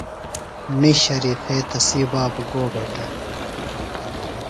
ݨ شریفے تسی بابوۡ گو بھٹہ؟